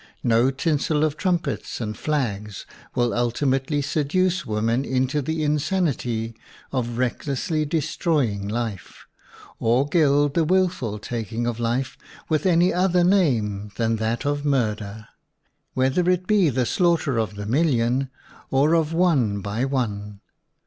No tinsel of trumpets and flags will ultimately seduce women into the insanity of recklessly destroying life, or gild the willful taking of life with any other name than that of murder, whether it be the slaughter of the mil lion or of one by one.